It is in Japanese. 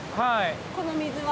この水は。